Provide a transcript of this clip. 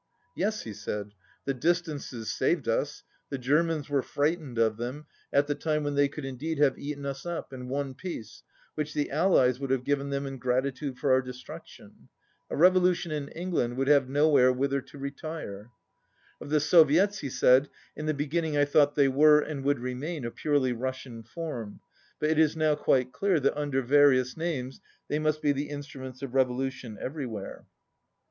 "Yes," he said. "The distances saved us. The Germans were frightened of them, at the time when they could indeed have eaten us up, and won peace, which the Allies would have given them in gratitude for our destruction. A revolution in England would have nowhere whither to retire." Of the Soviets he said, "In the beginning I thought they were and would remain a purely Russian form; but it is now quite clear that un der various names they must be the instruments of revolution everywhere."